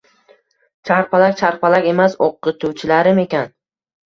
Charxpalak- charxpalak emas, o’qituvchilarim ekan!